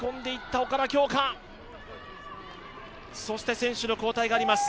選手の交代があります。